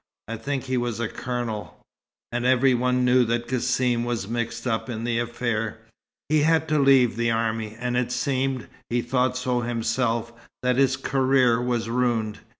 I think he was a colonel; and every one knew that Cassim was mixed up in the affair. He had to leave the army, and it seemed he thought so himself that his career was ruined.